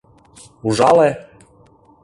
— Ужале!